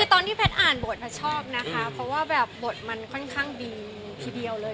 คือตอนที่แพทย์อ่านบทแพทย์ชอบนะคะเพราะว่าแบบบทมันค่อนข้างดีทีเดียวเลย